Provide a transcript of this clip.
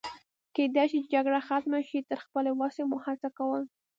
کېدای شي چې جګړه ختمه شي، تر خپلې وسې مو هڅه کول.